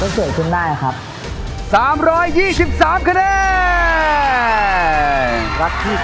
ไปคุยกันเองแล้วใครอย่าเข้ารอบแล้ว